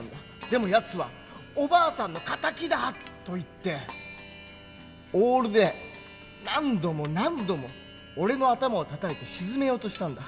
でもやつは「おばあさんの敵だ！」と言ってオールで何度も何度も俺の頭をたたいて沈めようとしたんだ。